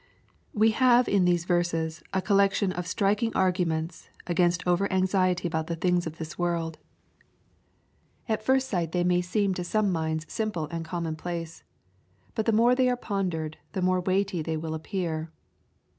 We have in these verses a collection of striking argu» ments against < ver anxiety about the things of this world 78 EXPOSITORY THOUGHTS. At first sight they may seem to some minds simple and common place. But the more they are pondered, the more weighty will they appear.